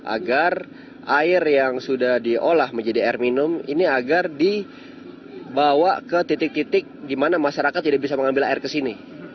agar air yang sudah diolah menjadi air minum ini agar dibawa ke titik titik di mana masyarakat tidak bisa mengambil air ke sini